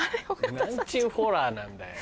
何ちゅうホラーなんだよ。